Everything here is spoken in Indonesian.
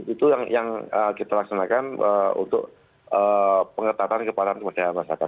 itu yang kita laksanakan untuk pengetahuan kepada masyarakat